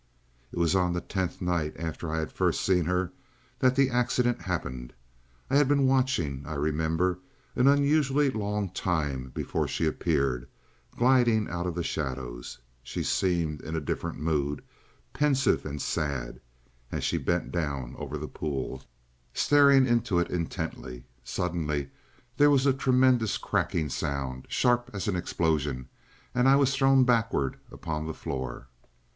"It was on the tenth night after I had first seen her that the accident happened. I had been watching, I remember, an unusually long time before she appeared, gliding out of the shadows. She seemed in a different mood, pensive and sad, as she bent down over the pool, staring into it intently. Suddenly there was a tremendous cracking sound, sharp as an explosion, and I was thrown backward upon the floor.